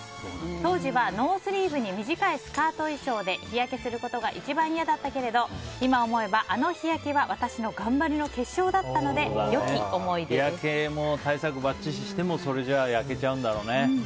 当時はノースリーブに短いスカート衣装で日焼けすることが一番嫌だったけど今思えばあの日焼けは私の頑張りの結晶だったので日焼けも対策ばっちりしてもそれじゃ焼けちゃうんだろうね。